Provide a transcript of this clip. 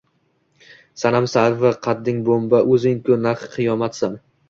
Sanam sarvi qading bo‘mba, o‘zing-ku naq qiyomatsan